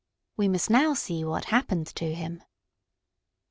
We must now see what happened to him.